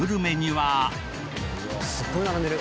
すごい並んでる。